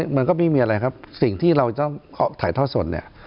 มันก็ไม่มีอะไรครับสิ่งที่เราต้องถ่ายท่อสดเนี่ย